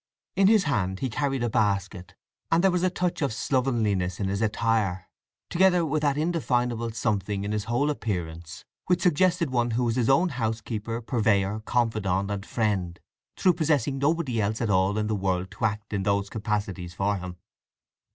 In his hand he carried a basket; and there was a touch of slovenliness in his attire, together with that indefinable something in his whole appearance which suggested one who was his own housekeeper, purveyor, confidant, and friend, through possessing nobody else at all in the world to act in those capacities for him.